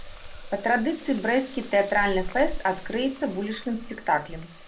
Па традыцыі брэсцкі тэатральны фэст адкрыецца вулічным спектаклем.